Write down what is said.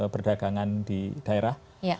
perdagangan di daerah